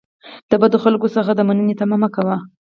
د بدو خلکو څخه د مننې تمه مه کوئ.